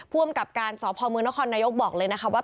รวมกับการสมนบอกเลยนะคะว่า